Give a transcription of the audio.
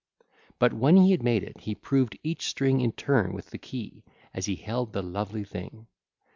But when he had made it he proved each string in turn with the key, as he held the lovely thing.